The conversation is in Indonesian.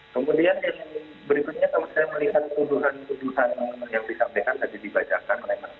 kemudian yang berikutnya kalau saya melihat tuduhan tuduhan yang disampaikan tadi dibacakan oleh mas